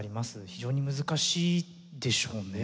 非常に難しいでしょうね。